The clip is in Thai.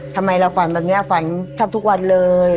ทำไมเราฝันแบบนี้ฝันแทบทุกวันเลย